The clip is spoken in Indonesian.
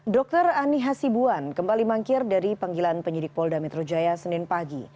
dr ani hasibuan kembali mangkir dari panggilan penyidik polda metro jaya senin pagi